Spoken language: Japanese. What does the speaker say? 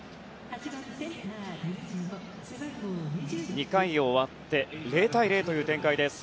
２回を終わって０対０という展開です。